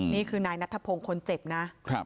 นี่คือนายนัทธพงศ์คนเจ็บนะ